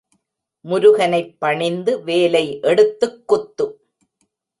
முருகனைப் பணிந்து வேலை எடுத்துக்குத்து.